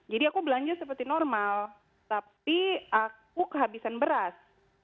jadi aku belanja seperti normal tapi aku kehabisan beras